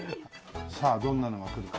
さあどんなのが来るか。